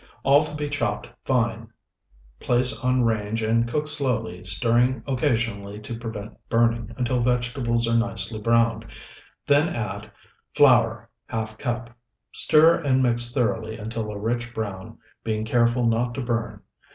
All to be chopped fine; place on range and cook slowly, stirring occasionally to prevent burning, until vegetables are nicely browned, then add Flour, ½ cup. Stir and mix thoroughly, until a rich brown, being careful not to burn.